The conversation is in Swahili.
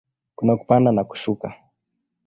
Kuna kupanda na kushuka.